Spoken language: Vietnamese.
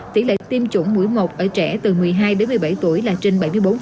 tỷ lệ tiêm chủng mũi một ở trẻ từ một mươi hai đến một mươi bảy tuổi là trên bảy mươi bốn